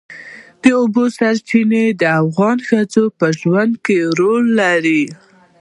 د اوبو سرچینې د افغان ښځو په ژوند کې رول لري.